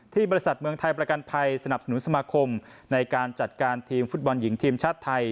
บริษัทเมืองไทยประกันภัยสนับสนุนสมาคมในการจัดการทีมฟุตบอลหญิงทีมชาติไทย